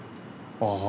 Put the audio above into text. ああ。